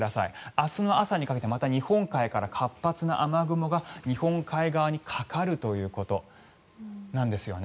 明日の朝にかけてまた日本海から活発な雨雲が日本海側にかかるということなんですよね。